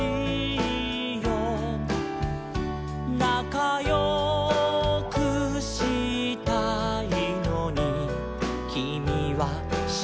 「なかよくしたいのにキミはしらんかお」